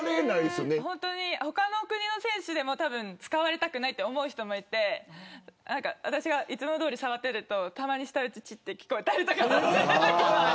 他の国の選手でも使われたくないと思う人もいて私がいつもどおり触ってるとたまに舌打ちが聞こえたり。